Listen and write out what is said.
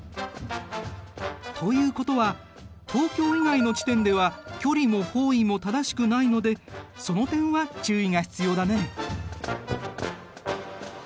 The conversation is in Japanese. ということは東京以外の地点では距離も方位も正しくないのでその点は注意が必要だね。